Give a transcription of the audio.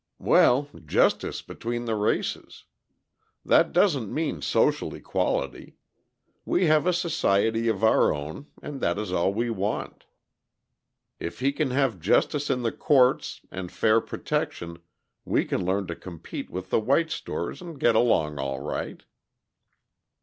"Well, justice between the races. That doesn't mean social equality. We have a society of our own, and that is all we want. If he can have justice in the courts, and fair protection, we can learn to compete with the white stores and get along all right."